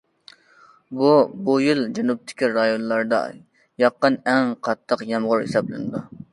بۇ، بۇ يىل جەنۇبتىكى رايونلاردا ياغقان ئەڭ قاتتىق يامغۇر ھېسابلىنىدۇ.